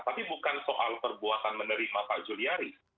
tapi bukan soal perbuatan menerima pak juliari